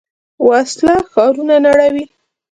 وسله ښارونه نړوي